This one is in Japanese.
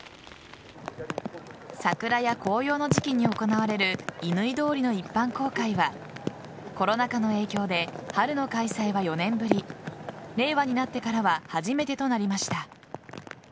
桜や紅葉の時期に行われる乾通りの一般公開はコロナ禍の影響で春の開催は４年ぶり令和になってからは初めてとなりました。